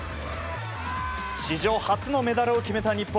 史上初のメダルを決めた日本。